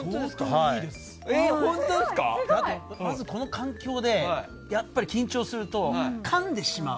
まず、この環境でやっぱり緊張するとかんでしまう。